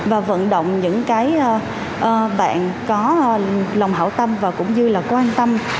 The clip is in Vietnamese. và vận động những cái bạn có lòng hảo tâm và cũng như là quan tâm